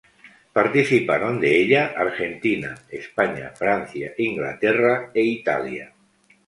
Participaron de ella Argentina, España, Francia, Inglaterra e Italia.